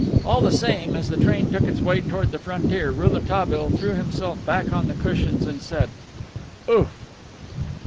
All the same, as the train took its way toward the frontier, Rouletabille threw himself back on the cushions, and said: "Ouf!"